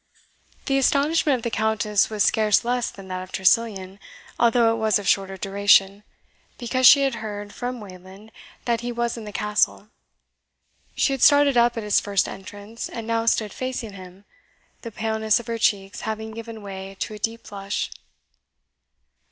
The astonishment of the Countess was scarce less than that of Tressilian, although it was of shorter duration, because she had heard from Wayland that he was in the Castle. She had started up at his first entrance, and now stood facing him, the paleness of her cheeks having given way to a deep blush.